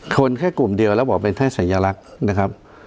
แค่กลุ่มเดียวแล้วบอกเป็นแค่สัญลักษณ์นะครับ